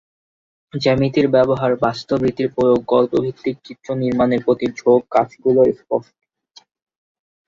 জ্যামিতির ব্যবহার, বাস্তব রীতির প্রয়োগ, গল্পভিত্তিক চিত্র নির্মাণের প্রতি ঝোঁক কাজগুলোয় স্পষ্ট।